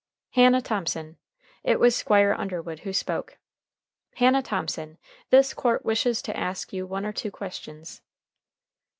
"Hannah Thomson" it was Squire Underwood who spoke "Hannah Thomson, this court wishes to ask you one or two questions."